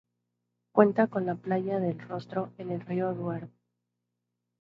Cuenta con la "Playa del Rostro" en el río Duero